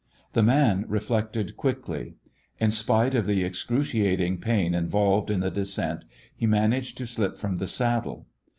The man reflected quickly. In spite of the excruciating pain in volved in the descent, he managed to slip from the saddle.